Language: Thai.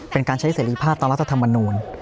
เป็นการใช้เสรีภาพตามรัฐธรรมนูล